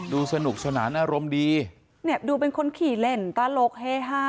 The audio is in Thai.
ดูสนุกสนานอารมณ์ดีเนี่ยดูเป็นคนขี่เล่นตลกเฮฮา